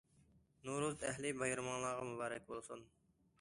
نورۇز ئەھلى، بايرىمىڭلارغا مۇبارەك بولسۇن!